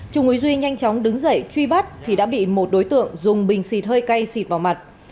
trung úy duy nhanh chóng đứng dậy truy bắt thì đã bị một đối tượng dùng bình xịt hơi cay xịt vào mặt